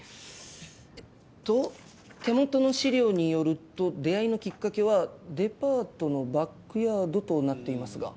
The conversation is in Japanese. えっと手元の資料によると出会いのきっかけはデパートのバックヤードとなっていますが。